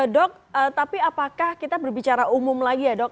dok tapi apakah kita berbicara umum lagi ya dok